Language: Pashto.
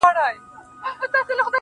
په يبلو پښو روان سو.